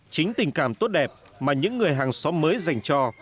chính tình cảm tốt đẹp mà những người hàng xóm mới dành cho